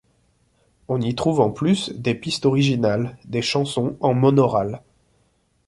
On y trouve en plus des pistes originales, des chansons en monaural.